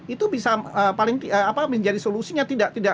itu bisa paling menjadi solusinya tidak